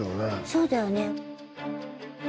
そうだよね。